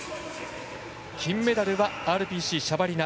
金メダルはＲＰＣのシャバリナ。